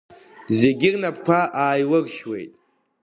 Зегьы рнапқәа ааилыршьуеит.